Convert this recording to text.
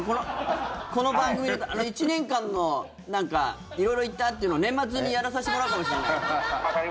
この番組１年間の色々行ったというのを年末にやらさせてもらうかもしれないから。